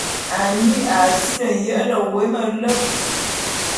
Annie a sili nyele wé meleb.